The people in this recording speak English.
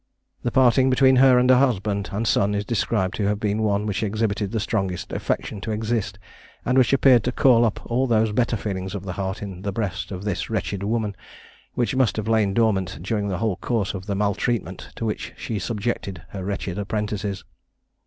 The parting between her and her husband and son is described to have been one which exhibited the strongest affection to exist, and which appeared to call up all those better feelings of the heart in the breast of this wretched woman, which must have lain dormant during the whole course of the maltreatment to which she subjected her wretched apprentices.